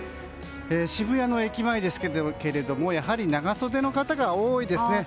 渋谷の駅前ですけれども、やはり長袖の方が多いですね。